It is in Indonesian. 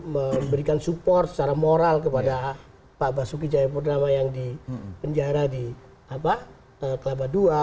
memberikan support secara moral kepada pak basuki cahayapurnama yang dipenjara di kelaba dua